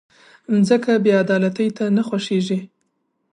مځکه بېعدالتۍ ته نه خوښېږي.